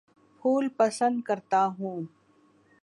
پھول پسند کرتا ہوں